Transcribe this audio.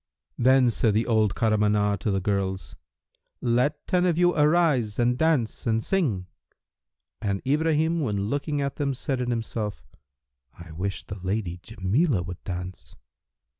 '" Then said the old Kahramanah[FN#323] to the girls, "Let ten of you arise and dance and sing." And Ibrahim when looking at them said in himself, "I wish the lady Jamilah would dance."